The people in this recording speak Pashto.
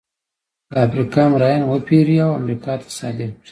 له افریقا مریان وپېري او امریکا ته صادر کړي.